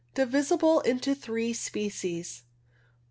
Divisible into three species.